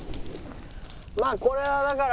まあこれはだから。